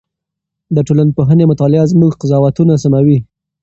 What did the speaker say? د ټولنپوهنې مطالعه زموږ قضاوتونه سموي.